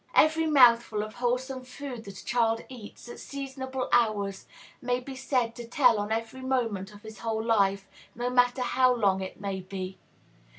Every mouthful of wholesome food that a child eats, at seasonable hours, may be said to tell on every moment of his whole life, no matter how long it may be.